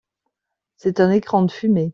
C’est un écran de fumée.